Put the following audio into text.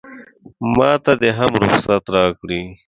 ماته دې هم رخصت راکړي.